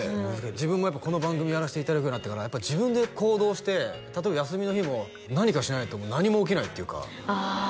自分もやっぱこの番組やらせていただくようになってからやっぱり自分で行動して例えば休みの日も何かしないともう何も起きないっていうかああ